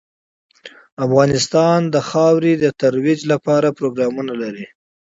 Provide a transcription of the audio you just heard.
افغانستان د خاوره د ترویج لپاره پروګرامونه لري.